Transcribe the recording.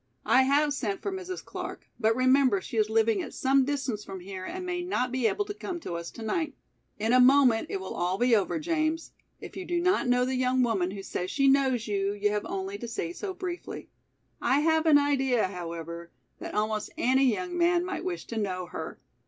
"I have sent for Mrs. Clark, but remember she is living at some distance from here and may not be able to come to us tonight. In a moment it will all be over, James. If you do not know the young woman who says she knows you, you have only to say so briefly. I have an idea, however, that almost any young man might wish to know her.